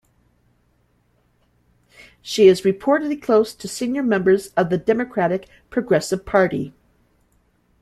She is reportedly close to senior members of the Democratic Progressive Party.